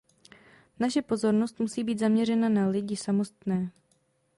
Naše pozornost musí být zaměřena na lidi samotné.